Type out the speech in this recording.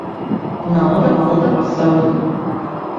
Nauda valda pasauli.